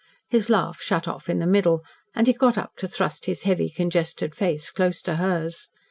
His laugh shut off in the middle, and he got up to thrust his heavy, congested face close to hers.